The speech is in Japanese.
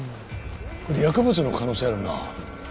薬物の可能性あるな。